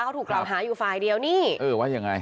เขาถูกโลหะหหาอยู่ฟาไอเดียวนี่เออว่าอย่างไง